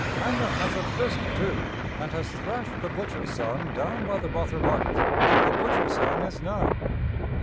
Hamnet has a fist, too, and has thrashed the butcher's son down by the Rother Market, though the butcher's son is nine.